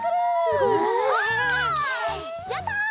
すごい！やった！